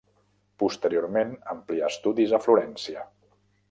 Posteriorment amplià estudis a Florència.